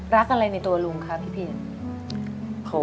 รักอะไรในตัวลุงคะพี่พิน